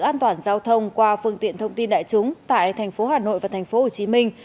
các phương tiện giao thông qua phương tiện thông tin đại chúng tại thành phố hà nội và thành phố hồ chí minh